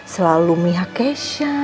selalu mihak kesha